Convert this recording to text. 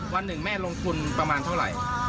วันหนึ่งแม่ลงทุนประมาณเท่าไหร่